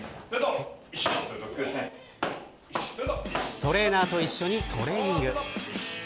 トレーナーと一緒にトレーニング。